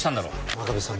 真壁さん